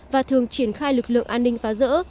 và thường triển khai lực lượng an ninh phá rỡ